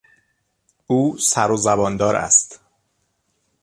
او سر و زباندار است.